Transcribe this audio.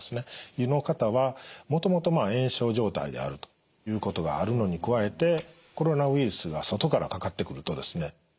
という方はもともと炎症状態であるということがあるのに加えてコロナウイルスが外からかかってくるとですね